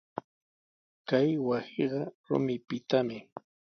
Kay wasiqa rumipitami.